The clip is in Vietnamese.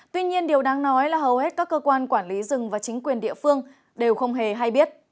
tuy nhiên điều đáng nói là hầu hết các cơ quan quản lý rừng và chính quyền địa phương đều không hề hay biết